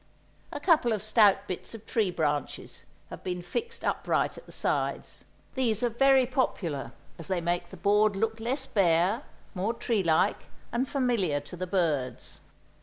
A couple of stout bits of tree branches have been fixed upright at the sides; these are very popular, as they make the board look less bare, more tree like and familiar to the birds.